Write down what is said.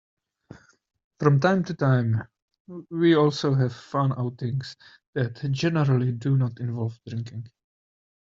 From time to time, we also have fun outings that generally do not involve drinking.